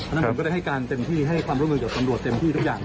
นั้นผมก็ได้ให้การเต็มที่ให้ความร่วมมือกับตำรวจเต็มที่ทุกอย่าง